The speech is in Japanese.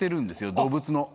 動物の。